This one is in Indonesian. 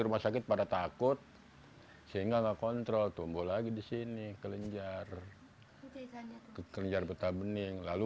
rumah sakit pada takut sehingga nggak kontrol tumbuh lagi di sini kelenjar kekejar betah bening lalu